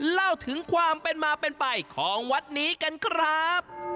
เล่าถึงความเป็นมาเป็นไปของวัดนี้กันครับ